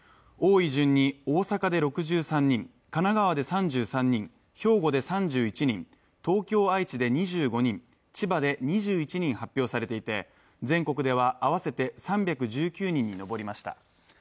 多い順に大阪で６３人神奈川で３３人、兵庫で３１人、東京・愛知で２５人、千葉で２１人発表されていて、全国では合わせて３１９人に上りました。